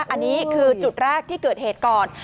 อันนี้คือจุดแรกที่เกิดเหตุก่อน